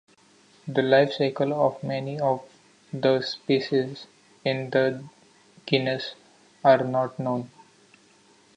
The life cycle of many of the species in this genus are not known.